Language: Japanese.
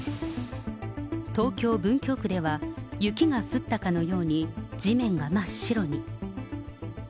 東京・文京区では雪が降ったかのように地面が真っ白に。